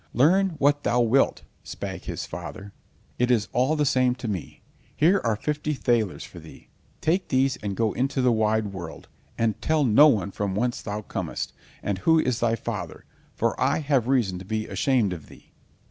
"Learn what thou wilt," spake the father, "it is all the same to me. Here are fifty thalers for thee. Take these and go into the wide world, and tell no one from whence thou comest, and who is thy father, for I have reason to be ashamed of thee."